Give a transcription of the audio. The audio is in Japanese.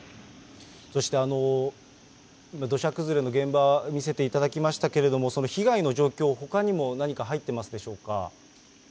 そして土砂崩れの現場、見せていただきましたけれども、被害の状況、ほかにも何か入ってますでしょうか。